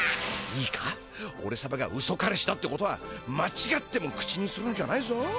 いいかおれさまがウソ彼氏だってことはまちがっても口にするんじゃないぞ！